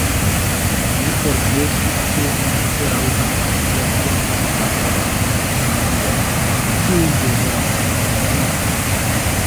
Ne forgesu ke mi ankaŭ havas plentempan laboron kaj familion, kiuj bezonas mian tempon.